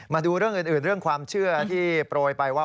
มาดูเรื่องอื่นเรื่องความเชื่อที่โปรยไปว่า